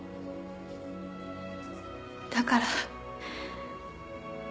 だから。